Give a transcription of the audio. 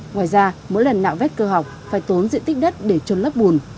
ngoài ra mỗi lần nạo vết cơ học phải tốn diện tích đất để trôn lớp bùn